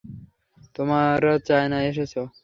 তোমরা চায়নায় এসেছ!